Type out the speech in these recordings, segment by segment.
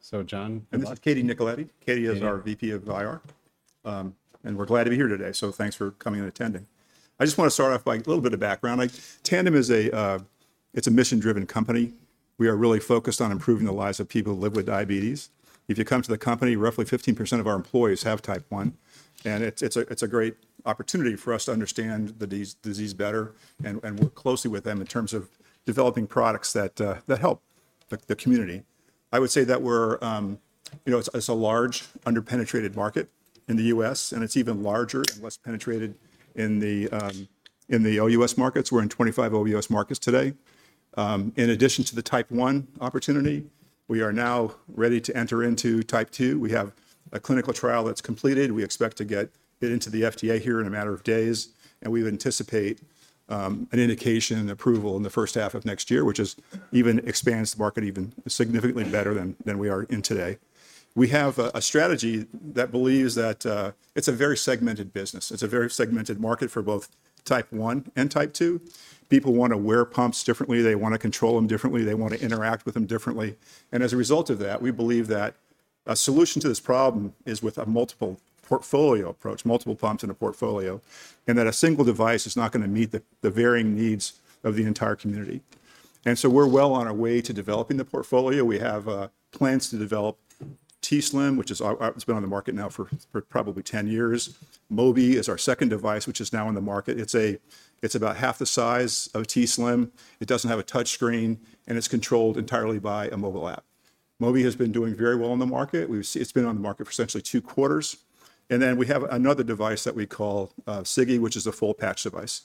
So, John. And this is Katie Nicoletti. Katie is our VP of IR, and we're glad to be here today. So thanks for coming and attending. I just want to start off by a little bit of background. Tandem is a, it's a mission-driven company. We are really focused on improving the lives of people who live with diabetes. If you come to the company, roughly 15% of our employees have Type 1, and it's a great opportunity for us to understand the disease better and work closely with them in terms of developing products that help the community. I would say that we're, you know, it's a large under-penetrated market in the U.S., and it's even larger and less penetrated in the OUS markets. We're in 25 OUS markets today. In addition to the Type 1 opportunity, we are now ready to enter into Type 2. We have a clinical trial that's completed. We expect to get it into the FDA here in a matter of days, and we anticipate an indication and approval in the first half of next year, which even expands the market even significantly better than we are in today. We have a strategy that believes that it's a very segmented business. It's a very segmented market for both Type 1 and Type 2. People want to wear pumps differently. They want to control them differently. They want to interact with them differently. And as a result of that, we believe that a solution to this problem is with a multiple portfolio approach, multiple pumps in a portfolio, and that a single device is not going to meet the varying needs of the entire community. And so we're well on our way to developing the portfolio. We have plans to develop t:slim, which has been on the market now for probably 10 years. Mobi is our second device, which is now on the market. It's about half the size of t:slim. It doesn't have a touchscreen, and it's controlled entirely by a mobile app. Mobi has been doing very well on the market. It's been on the market for essentially two quarters. And then we have another device that we call Sigi, which is a full patch device.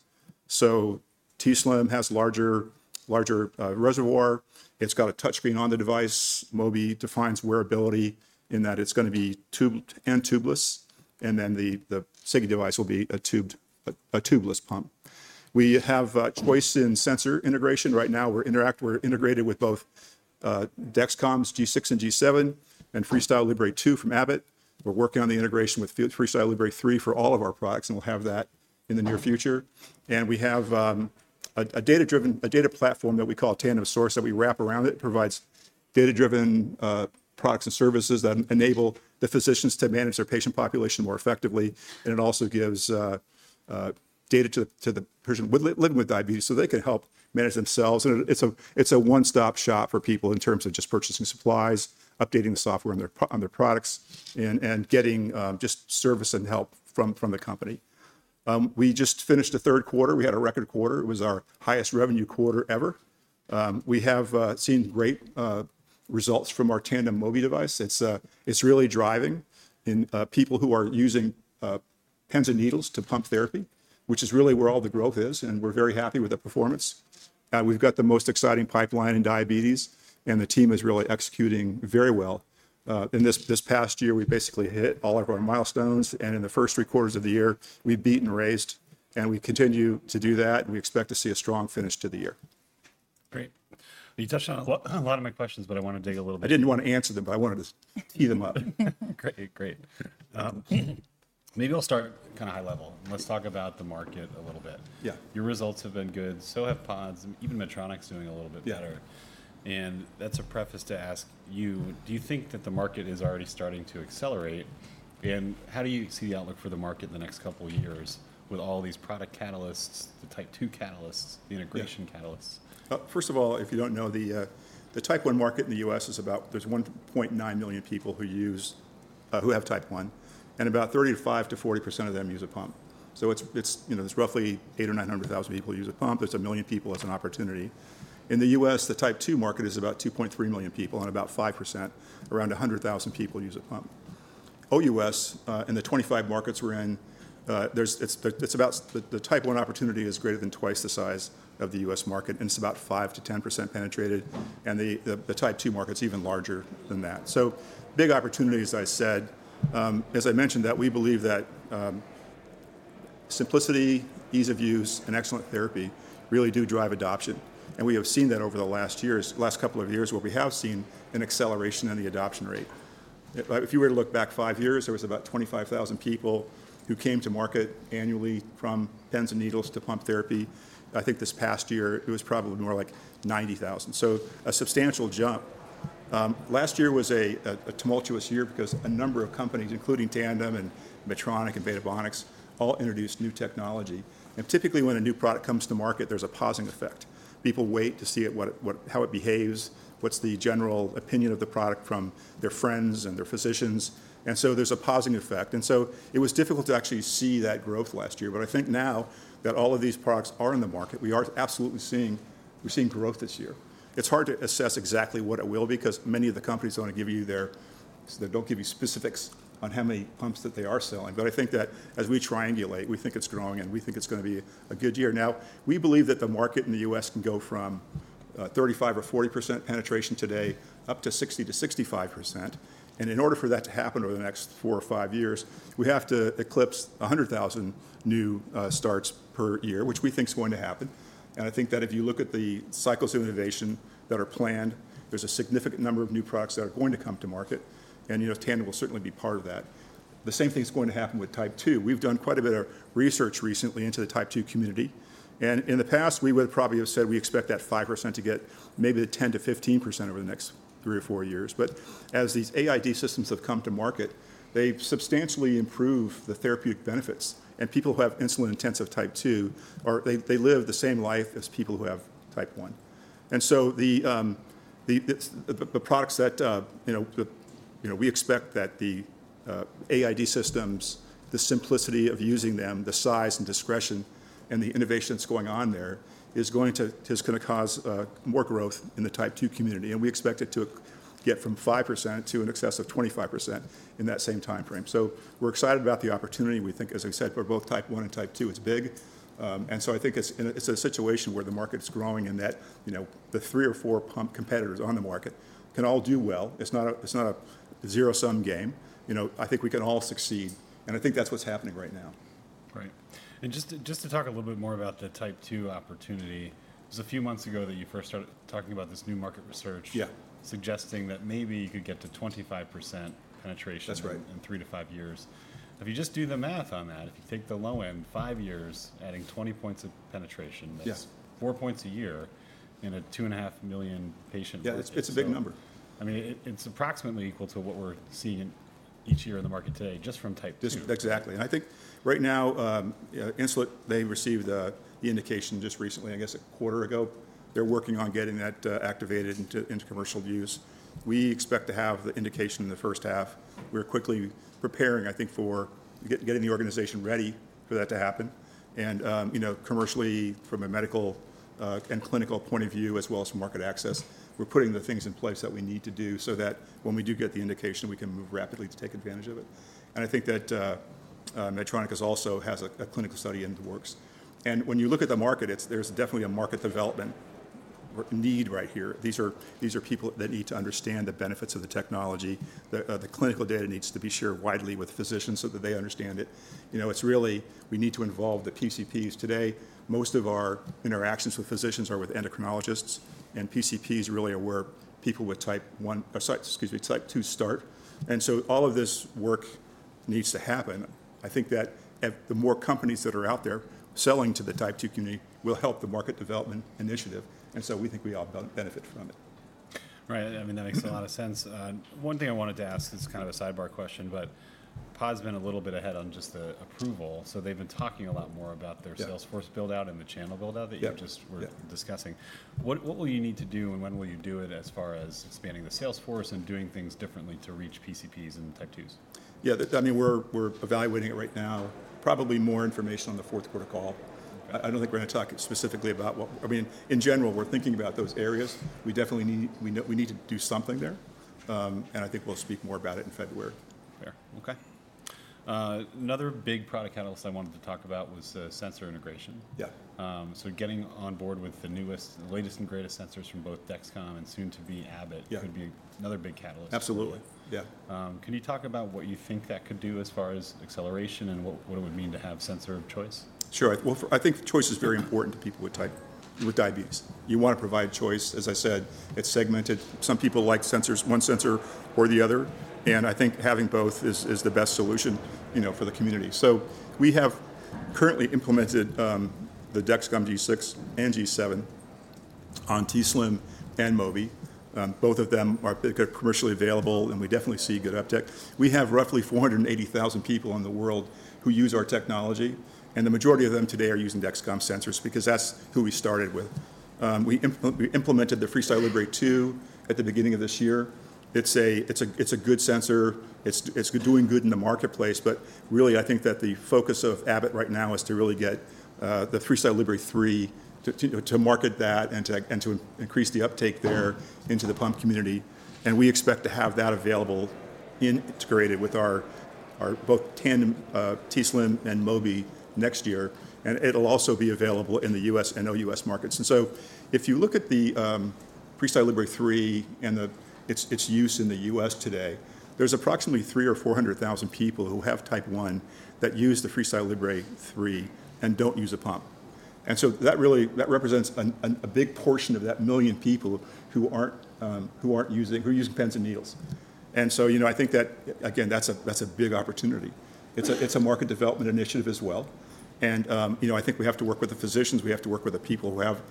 So t:slim has a larger reservoir. It's got a touchscreen on the device. Mobi defines wearability in that it's going to be tubed and tubeless, and then the Sigi device will be a tubeless pump. We have choice in sensor integration. Right now, we're integrated with both Dexcom G6 and G7 and FreeStyle Libre 2 from Abbott. We're working on the integration with FreeStyle Libre 3 for all of our products, and we'll have that in the near future, and we have a data-driven data platform that we call Tandem Source that we wrap around it. It provides data-driven products and services that enable the physicians to manage their patient population more effectively, and it also gives data to the person living with diabetes so they can help manage themselves, and it's a one-stop shop for people in terms of just purchasing supplies, updating the software on their products, and getting just service and help from the company. We just finished the third quarter. We had a record quarter. It was our highest revenue quarter ever. We have seen great results from our Tandem Mobi device. It's really driving in people who are using pens and needles to pump therapy, which is really where all the growth is, and we're very happy with the performance. We've got the most exciting pipeline in diabetes, and the team is really executing very well. In this past year, we basically hit all of our milestones, and in the first three quarters of the year, we beat and raised, and we continue to do that. We expect to see a strong finish to the year. Great. You touched on a lot of my questions, but I want to dig a little bit. I didn't want to answer them, but I wanted to tee them up. Great. Great. Maybe we'll start kind of high level. Let's talk about the market a little bit. Yeah. Your results have been good. So have pods, even Medtronic's doing a little bit better. And that's a preface to ask you, do you think that the market is already starting to accelerate? And how do you see the outlook for the market in the next couple of years with all these product catalysts, the Type 2 catalysts, the integration catalysts? First of all, if you don't know, the Type 1 market in the U.S. is about. There's 1.9 million people who have Type 1, and about 35%-40% of them use a pump. So it's, you know, there's roughly 800,000 or 900,000 people who use a pump. There's a million people that's an opportunity. In the U.S., the Type 2 market is about 2.3 million people and about 5%. Around 100,000 people use a pump. OUS, in the 25 markets we're in, it's about the Type 1 opportunity is greater than twice the size of the U.S. market, and it's about 5%-10% penetrated, and the Type 2 market's even larger than that, so big opportunities, as I said, as I mentioned, that we believe that simplicity, ease of use, and excellent therapy really do drive adoption. And we have seen that over the last years, last couple of years, where we have seen an acceleration in the adoption rate. If you were to look back five years, there was about 25,000 people who came to market annually from pens and needles to pump therapy. I think this past year, it was probably more like 90,000. So a substantial jump. Last year was a tumultuous year because a number of companies, including Tandem and Medtronic and Beta Bionics, all introduced new technology. And typically, when a new product comes to market, there's a pausing effect. People wait to see how it behaves, what's the general opinion of the product from their friends and their physicians. And so there's a pausing effect. And so it was difficult to actually see that growth last year. But I think now that all of these products are in the market, we are absolutely seeing growth this year. It's hard to assess exactly what it will be because many of the companies don't want to give you their, they don't give you specifics on how many pumps that they are selling. But I think that as we triangulate, we think it's growing, and we think it's going to be a good year. Now, we believe that the market in the U.S. can go from 35% or 40% penetration today up to 60%- 65%. And in order for that to happen over the next four or five years, we have to eclipse 100,000 new starts per year, which we think is going to happen. I think that if you look at the cycles of innovation that are planned, there's a significant number of new products that are going to come to market. And, you know, Tandem will certainly be part of that. The same thing is going to happen with Type 2. We've done quite a bit of research recently into the Type 2 community. And in the past, we would probably have said we expect that 5% to get maybe 10%-15% over the next three or four years. But as these AID systems have come to market, they substantially improve the therapeutic benefits. And people who have insulin-intensive Type 2, they live the same life as people who have Type 1. And so the products that, you know, we expect that the AID systems, the simplicity of using them, the size and discretion, and the innovation that's going on there is going to cause more growth in the Type 2 community. We expect it to get from 5% to an excess of 25% in that same time frame. We're excited about the opportunity. We think, as I said, for both Type 1 and Type 2, it's big. I think it's a situation where the market's growing in that, you know, the three or four pump competitors on the market can all do well. It's not a zero-sum game. You know, I think we can all succeed. I think that's what's happening right now. Right. And just to talk a little bit more about the Type 2 opportunity, it was a few months ago that you first started talking about this new market research. Yeah. Suggesting that maybe you could get to 25% penetration in three to five years. If you just do the math on that, if you take the low end, five years, adding 20 points of penetration, that's four points a year in a 2.5 million patient market. Yeah, it's a big number. I mean, it's approximately equal to what we're seeing each year in the market today, just from Type 2. Exactly. And I think right now, Insulet, they received the indication just recently, I guess a quarter ago. They're working on getting that activated into commercial use. We expect to have the indication in the first half. We're quickly preparing, I think, for getting the organization ready for that to happen. And, you know, commercially, from a medical and clinical point of view, as well as from market access, we're putting the things in place that we need to do so that when we do get the indication, we can move rapidly to take advantage of it. And I think that Medtronic also has a clinical study in the works. And when you look at the market, there's definitely a market development need right here. These are people that need to understand the benefits of the technology. The clinical data needs to be shared widely with physicians so that they understand it. You know, it's really, we need to involve the PCPs. Today, most of our interactions with physicians are with endocrinologists, and PCPs really are where people with Type 1, excuse me, Type 2 start, and so all of this work needs to happen. I think that the more companies that are out there selling to the Type 2 community will help the market development initiative, and so we think we all benefit from it. Right. I mean, that makes a lot of sense. One thing I wanted to ask is kind of a sidebar question, but pod's been a little bit ahead on just the approval. So they've been talking a lot more about their sales force buildout and the channel buildout that you just were discussing. What will you need to do, and when will you do it as far as expanding the sales force and doing things differently to reach PCPs and Type 2s? Yeah, I mean, we're evaluating it right now. Probably more information on the fourth quarter call. I don't think we're going to talk specifically about what, I mean, in general, we're thinking about those areas. We definitely need to do something there, and I think we'll speak more about it in February. Fair. Okay. Another big product catalyst I wanted to talk about was sensor integration. Yeah. So getting on board with the newest, latest, and greatest sensors from both Dexcom and soon to be Abbott could be another big catalyst. Absolutely. Yeah. Can you talk about what you think that could do as far as acceleration and what it would mean to have sensor of choice? Sure. Well, I think choice is very important to people with diabetes. You want to provide choice. As I said, it's segmented. Some people like sensors, one sensor or the other. And I think having both is the best solution, you know, for the community. So we have currently implemented the Dexcom G6 and G7 on t:slim and Mobi. Both of them are commercially available, and we definitely see good uptake. We have roughly 480,000 people in the world who use our technology, and the majority of them today are using Dexcom sensors because that's who we started with. We implemented the FreeStyle Libre 2 at the beginning of this year. It's a good sensor. It's doing good in the marketplace. But really, I think that the focus of Abbott right now is to really get the FreeStyle Libre 3 to market, that, and to increase the uptake there into the pump community. We expect to have that available, integrated with our both Tandem t:slim and Mobi, next year. And it'll also be available in the US and OUS markets. So if you look at the FreeStyle Libre 3 and its use in the US today, there's approximately 300,000 or 400,000 people who have Type 1 that use the FreeStyle Libre 3 and don't use a pump. So that really represents a big portion of that million people who aren't using, who are using pens and needles. You know, I think that, again, that's a big opportunity. It's a market development initiative as well. You know, I think we have to work with the physicians. We have to work with the people who have,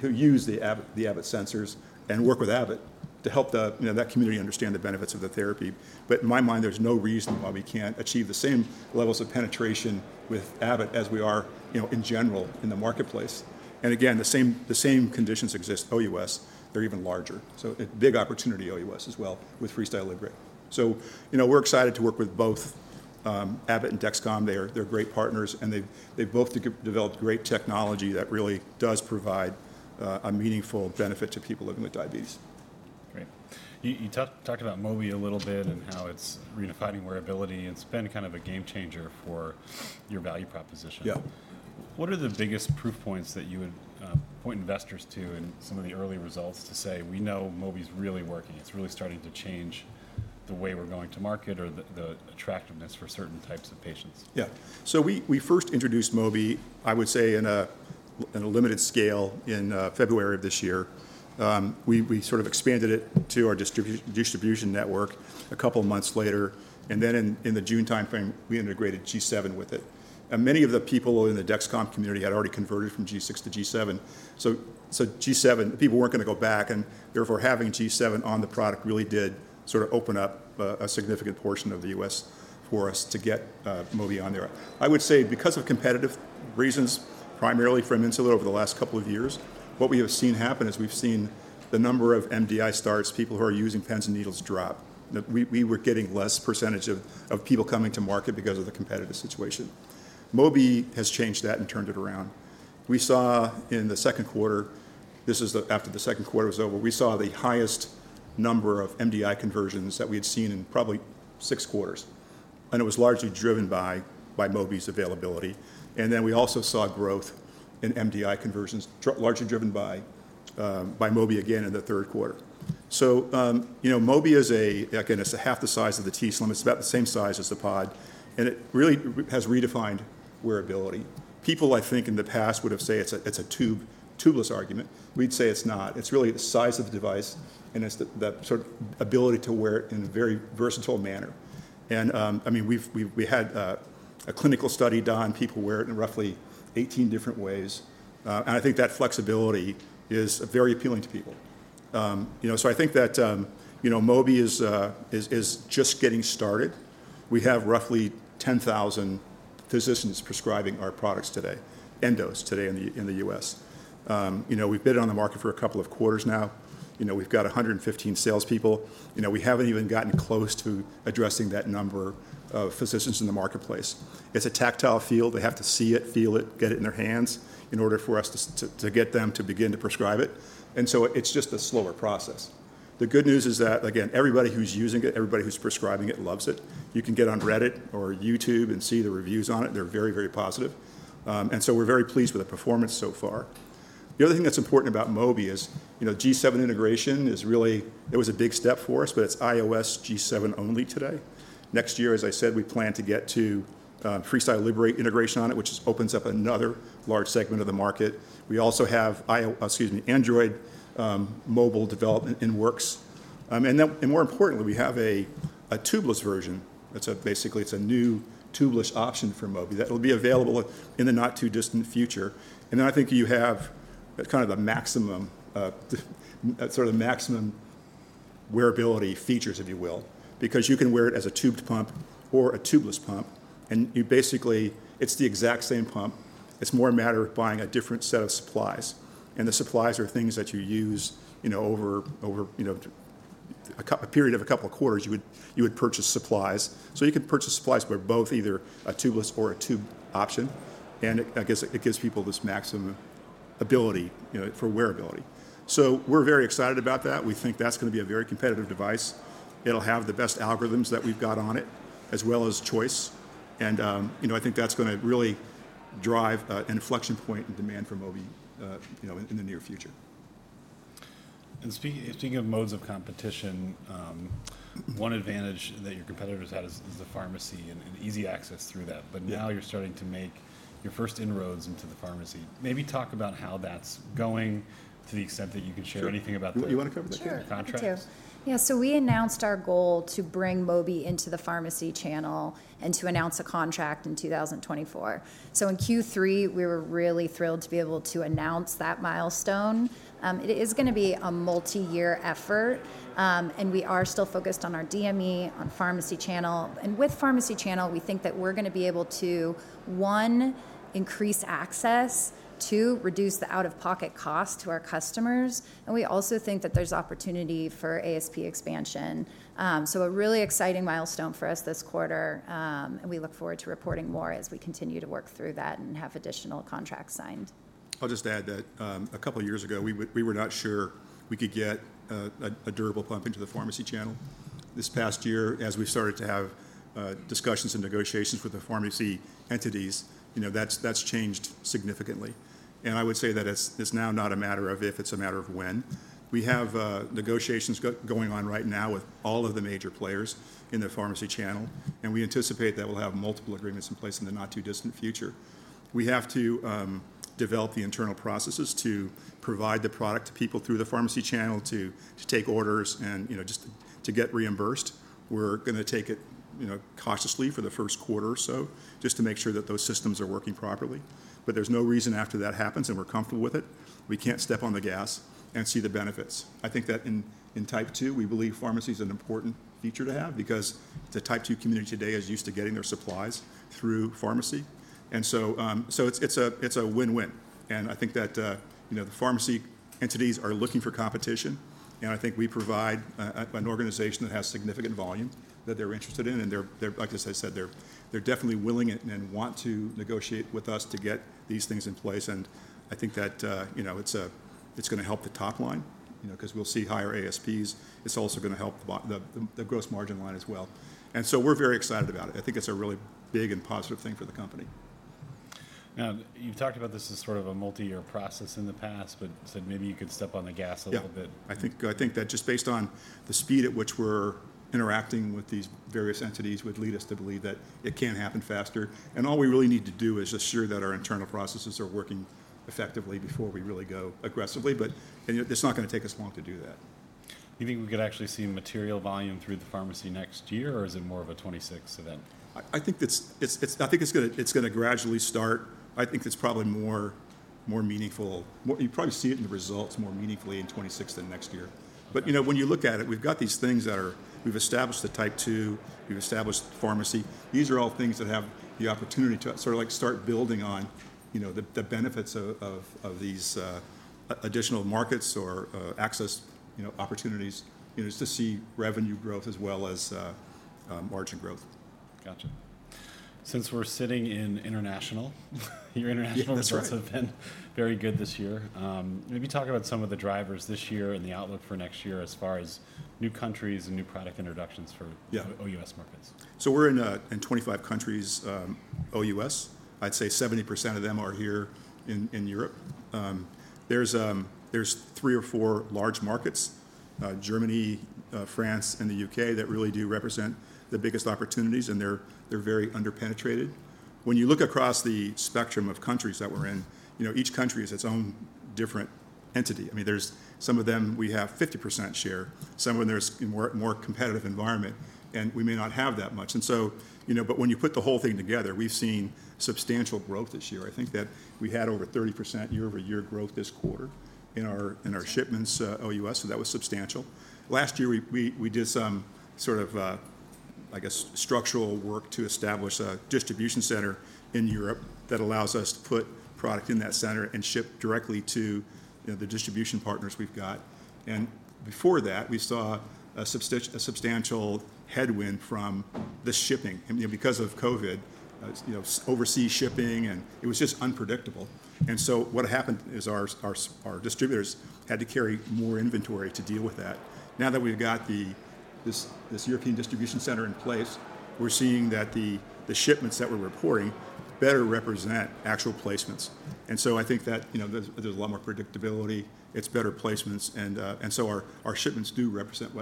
who use the Abbott sensors and work with Abbott to help that community understand the benefits of the therapy, but in my mind, there's no reason why we can't achieve the same levels of penetration with Abbott as we are, you know, in general in the marketplace, and again, the same conditions exist OUS. They're even larger, so a big opportunity OUS as well with FreeStyle Libre, so, you know, we're excited to work with both Abbott and Dexcom. They're great partners, and they've both developed great technology that really does provide a meaningful benefit to people living with diabetes. Great. You talked about Mobi a little bit and how it's reunifying wearability. It's been kind of a game changer for your value proposition. Yeah. What are the biggest proof points that you would point investors to in some of the early results to say, "We know Mobi's really working. It's really starting to change the way we're going to market or the attractiveness for certain types of patients"? Yeah. So we first introduced Mobi, I would say, in a limited scale in February of this year. We sort of expanded it to our distribution network a couple of months later. And then in the June time frame, we integrated G7 with it. And many of the people in the Dexcom community had already converted from G6 to G7. So G7, people weren't going to go back. And therefore, having G7 on the product really did sort of open up a significant portion of the U.S. for us to get Mobi on there. I would say because of competitive reasons, primarily from Insulet over the last couple of years, what we have seen happen is we've seen the number of MDI starts, people who are using pens and needles drop. We were getting less percentage of people coming to market because of the competitive situation. Mobi has changed that and turned it around. We saw in the second quarter, this is after the second quarter was over, we saw the highest number of MDI conversions that we had seen in probably six quarters. And it was largely driven by Mobi's availability. And then we also saw growth in MDI conversions, largely driven by Mobi again in the third quarter. So, you know, Mobi is a, again, it's half the size of the t:slim. It's about the same size as the pod. And it really has redefined wearability. People, I think, in the past would have said it's a tubeless argument. We'd say it's not. It's really the size of the device and it's the sort of ability to wear it in a very versatile manner. And I mean, we had a clinical study done. People wear it in roughly 18 different ways. I think that flexibility is very appealing to people. You know, so I think that, you know, Mobi is just getting started. We have roughly 10,000 physicians prescribing our products today, endos today in the U.S. You know, we've been on the market for a couple of quarters now. You know, we've got 115 salespeople. You know, we haven't even gotten close to addressing that number of physicians in the marketplace. It's a tactile field. They have to see it, feel it, get it in their hands in order for us to get them to begin to prescribe it. And so it's just a slower process. The good news is that, again, everybody who's using it, everybody who's prescribing it loves it. You can get on Reddit or YouTube and see the reviews on it. They're very, very positive. And so we're very pleased with the performance so far. The other thing that's important about Mobi is, you know, G7 integration is really, it was a big step for us, but it's iOS G7 only today. Next year, as I said, we plan to get to FreeStyle Libre integration on it, which opens up another large segment of the market. We also have, excuse me, Android mobile development in works. And then, and more importantly, we have a tubeless version. It's basically, it's a new tubeless option for Mobi that will be available in the not too distant future. And then I think you have kind of the maximum, sort of the maximum wearability features, if you will, because you can wear it as a tubed pump or a tubeless pump. And you basically, it's the exact same pump. It's more a matter of buying a different set of supplies. The supplies are things that you use, you know, over, you know, a period of a couple of quarters. You would purchase supplies. So you can purchase supplies where both either a tubeless or a tube option. And I guess it gives people this maximum ability, you know, for wearability. So we're very excited about that. We think that's going to be a very competitive device. It'll have the best algorithms that we've got on it, as well as choice. And, you know, I think that's going to really drive an inflection point in demand for Mobi, you know, in the near future. And speaking of modes of competition, one advantage that your competitors had is the pharmacy and easy access through that. But now you're starting to make your first inroads into the pharmacy. Maybe talk about how that's going to the extent that you can share anything about that. You want to cover that? Yeah. So we announced our goal to bring Mobi into the pharmacy channel and to announce a contract in 2024. So in Q3, we were really thrilled to be able to announce that milestone. It is going to be a multi-year effort. And we are still focused on our DME, on pharmacy channel. And with pharmacy channel, we think that we're going to be able to, one, increase access, two, reduce the out-of-pocket cost to our customers. And we also think that there's opportunity for ASP expansion. So a really exciting milestone for us this quarter. And we look forward to reporting more as we continue to work through that and have additional contracts signed. I'll just add that a couple of years ago, we were not sure we could get a durable pump into the pharmacy channel. This past year, as we started to have discussions and negotiations with the pharmacy entities, you know, that's changed significantly, and I would say that it's now not a matter of if, it's a matter of when. We have negotiations going on right now with all of the major players in the pharmacy channel, and we anticipate that we'll have multiple agreements in place in the not too distant future. We have to develop the internal processes to provide the product to people through the pharmacy channel to take orders and, you know, just to get reimbursed. We're going to take it, you know, cautiously for the first quarter or so, just to make sure that those systems are working properly. But there's no reason after that happens and we're comfortable with it. We can't step on the gas and see the benefits. I think that in Type 2, we believe pharmacy is an important feature to have because the Type 2 community today is used to getting their supplies through pharmacy. And so it's a win-win. And I think that, you know, the pharmacy entities are looking for competition. And I think we provide an organization that has significant volume that they're interested in. And they're, like I said, they're definitely willing and want to negotiate with us to get these things in place. And I think that, you know, it's going to help the top line, you know, because we'll see higher ASPs. It's also going to help the gross margin line as well. And so we're very excited about it. I think it's a really big and positive thing for the company. Now, you've talked about this as sort of a multi-year process in the past, but said maybe you could step on the gas a little bit. Yeah. I think that just based on the speed at which we're interacting with these various entities would lead us to believe that it can happen faster. And all we really need to do is assure that our internal processes are working effectively before we really go aggressively. But it's not going to take us long to do that. Do you think we could actually see material volume through the pharmacy next year, or is it more of a 2026 event? I think it's, I think it's going to gradually start. I think it's probably more meaningful. You probably see it in the results more meaningfully in 2026 than next year. But, you know, when you look at it, we've got these things that are, we've established the Type 2, we've established pharmacy. These are all things that have the opportunity to sort of like start building on, you know, the benefits of these additional markets or access, you know, opportunities, you know, just to see revenue growth as well as margin growth. Gotcha. Since we're sitting in international, your international reports have been very good this year. Maybe talk about some of the drivers this year and the outlook for next year as far as new countries and new product introductions for OUS markets. We're in 25 countries, OUS. I'd say 70% of them are here in Europe. There's three or four large markets, Germany, France, and the U.K. that really do represent the biggest opportunities, and they're very underpenetrated. When you look across the spectrum of countries that we're in, you know, each country is its own different entity. I mean, there's some of them we have 50% share, some of them there's a more competitive environment, and we may not have that much. And so, you know, but when you put the whole thing together, we've seen substantial growth this year. I think that we had over 30% year-over-year growth this quarter in our shipments OUS. So that was substantial. Last year, we did some sort of, I guess, structural work to establish a distribution center in Europe that allows us to put product in that center and ship directly to the distribution partners we've got. And before that, we saw a substantial headwind from the shipping. And because of COVID, you know, overseas shipping, and it was just unpredictable. And so what happened is our distributors had to carry more inventory to deal with that. Now that we've got this European distribution center in place, we're seeing that the shipments that we're reporting better represent actual placements. And so I think that, you know, there's a lot more predictability. It's better placements. And so our shipments do represent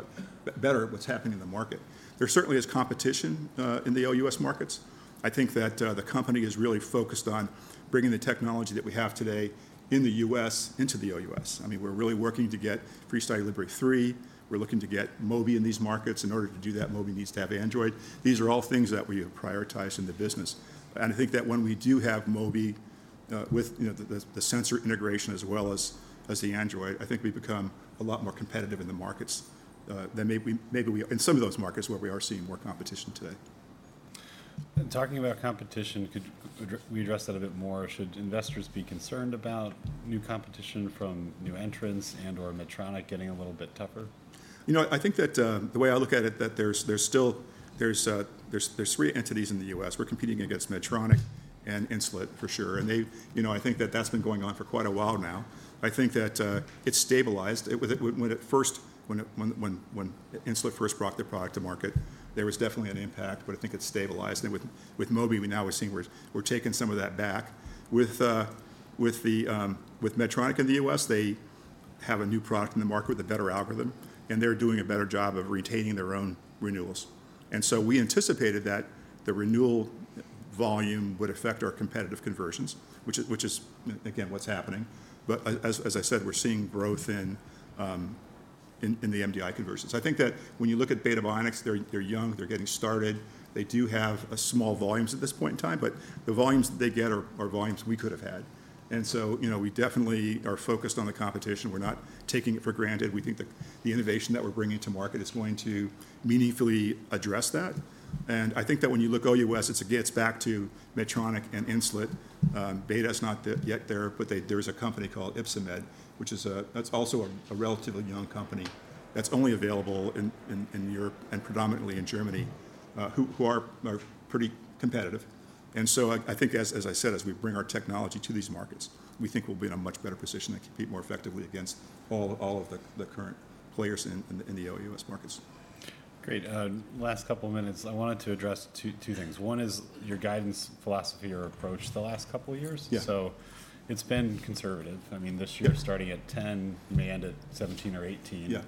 better what's happening in the market. There certainly is competition in the OUS markets. I think that the company is really focused on bringing the technology that we have today in the U.S. into the OUS. I mean, we're really working to get FreeStyle Libre 3. We're looking to get Mobi in these markets. In order to do that, Mobi needs to have Android. These are all things that we have prioritized in the business. And I think that when we do have Mobi with, you know, the sensor integration as well as the Android, I think we become a lot more competitive in the markets than maybe we are in some of those markets where we are seeing more competition today. Talking about competition, could we address that a bit more? Should investors be concerned about new competition from new entrants and/or Medtronic getting a little bit tougher? You know, I think that the way I look at it, that there are still three entities in the U.S. We're competing against Medtronic and Insulet, for sure. And they, you know, I think that that's been going on for quite a while now. I think that it's stabilized. When Insulet first brought their product to market, there was definitely an impact, but I think it's stabilized. And with Mobi, we now are seeing we're taking some of that back. With Medtronic in the U.S., they have a new product in the market with a better algorithm, and they're doing a better job of retaining their own renewals. And so we anticipated that the renewal volume would affect our competitive conversions, which is, again, what's happening. But as I said, we're seeing growth in the MDI conversions. I think that when you look at Beta Bionics, they're young, they're getting started. They do have small volumes at this point in time, but the volumes that they get are volumes we could have had. And so, you know, we definitely are focused on the competition. We're not taking it for granted. We think that the innovation that we're bringing to market is going to meaningfully address that. And I think that when you look OUS, it's again, it's back to Medtronic and Insulet. Beta is not yet there, but there's a company called Ypsomed, which is a, that's also a relatively young company that's only available in Europe and predominantly in Germany, who are pretty competitive. And so I think, as I said, as we bring our technology to these markets, we think we'll be in a much better position to compete more effectively against all of the current players in the OUS markets. Great. Last couple of minutes, I wanted to address two things. One is your guidance philosophy or approach the last couple of years. So it's been conservative. I mean, this year starting at 10, you may end at 17 or 18.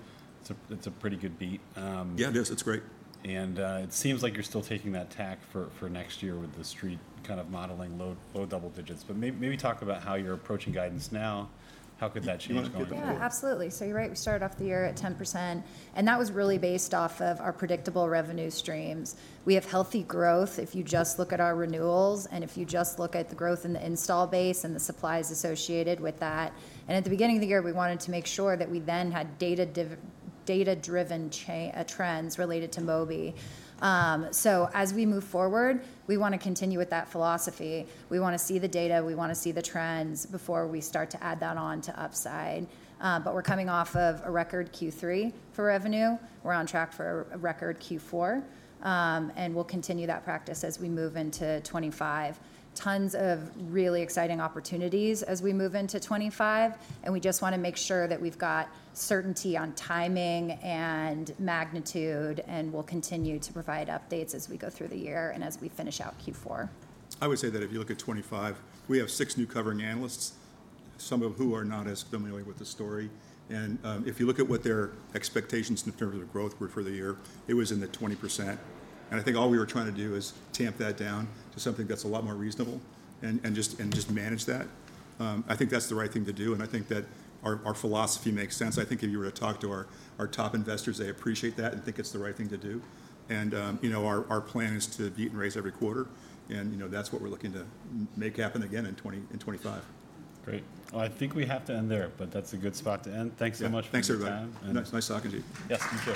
It's a pretty good beat. Yeah, it is. It's great. And it seems like you're still taking that tack for next year with the street kind of modeling low double digits. But maybe talk about how you're approaching guidance now. How could that change going to be? Yeah, absolutely, so you're right. We started off the year at 10%, and that was really based off of our predictable revenue streams. We have healthy growth if you just look at our renewals and if you just look at the growth in the install base and the supplies associated with that, and at the beginning of the year, we wanted to make sure that we then had data-driven trends related to Mobi, so as we move forward, we want to continue with that philosophy. We want to see the data. We want to see the trends before we start to add that on to upside, but we're coming off of a record Q3 for revenue. We're on track for a record Q4, and we'll continue that practice as we move into 2025. Tons of really exciting opportunities as we move into 2025. We just want to make sure that we've got certainty on timing and magnitude. We'll continue to provide updates as we go through the year and as we finish out Q4. I would say that if you look at 2025, we have six new covering analysts, some of whom are not as familiar with the story, and if you look at what their expectations in terms of growth were for the year, it was in the 20%, and I think all we were trying to do is tamp that down to something that's a lot more reasonable and just manage that. I think that's the right thing to do, and I think that our philosophy makes sense. I think if you were to talk to our top investors, they appreciate that and think it's the right thing to do, and, you know, our plan is to beat and raise every quarter, and, you know, that's what we're looking to make happen again in 2025. Great. I think we have to end there, but that's a good spot to end. Thanks so much for your time. Thanks everybody. Nice talking to you. Yes.